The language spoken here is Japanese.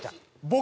僕？